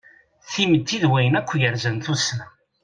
Timetti d wayen akk yerzan tussna.